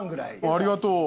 ありがとう！